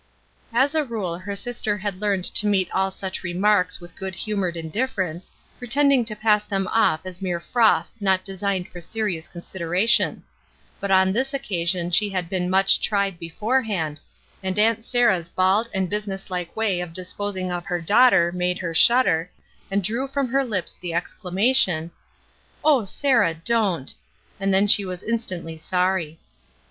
'* As a rule her sister had learned to meet all such remarks with good humored indifference, pretending to pass them off as mere froth not designed for serious consideration ; but on this occasion she had been much tried beforehand, and Aunt Sarah's bald and businesshke way of disposing of her daughter made her shudder, and drew from her lips the exclamation :— ''0 Sarah, don't!" and then she was in stantly sorry.